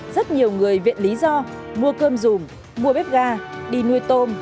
rất nhiều người viện lý do mua cơm dùm mua bếp ga đi nuôi tôm